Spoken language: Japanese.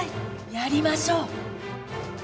やりましょう！